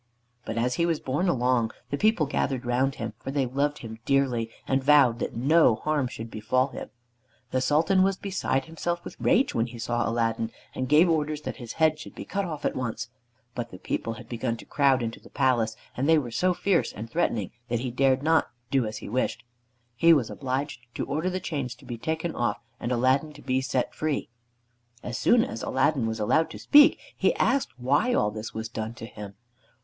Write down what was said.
But as he was borne along, the people gathered around him, for they loved him dearly, and vowed that no harm should befall him. The Sultan was beside himself with rage when he saw Aladdin, and gave orders that his head should be cut off at once. But the people had begun to crowd into the palace, and they were so fierce and threatening that he dared not do as he wished. He was obliged to order the chains to be taken off, and Aladdin to be set free. As soon as Aladdin was allowed to speak he asked why all this was done to him.